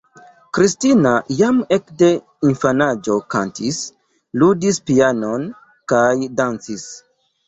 Kristina jam ekde infanaĝo kantis, ludis pianon kaj dancis.